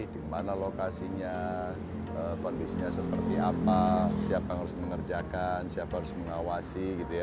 di mana lokasinya kondisinya seperti apa siapa yang harus mengerjakan siapa yang harus mengawasi